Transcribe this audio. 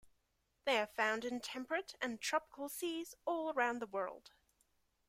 They are found in temperate and tropical seas all around the world.